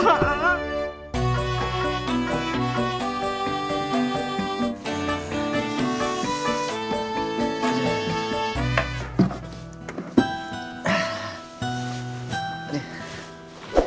lalu abang sengaja nungguin dia ya